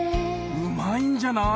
うまいんじゃない？